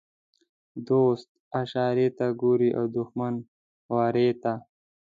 دوست اشارې ته ګوري او دښمن وارې ته.